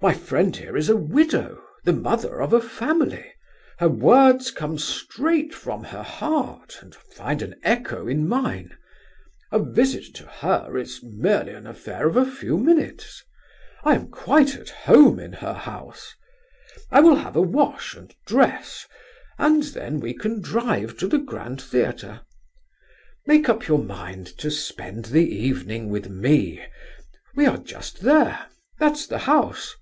"My friend here is a widow, the mother of a family; her words come straight from her heart, and find an echo in mine. A visit to her is merely an affair of a few minutes; I am quite at home in her house. I will have a wash, and dress, and then we can drive to the Grand Theatre. Make up your mind to spend the evening with me.... We are just there—that's the house...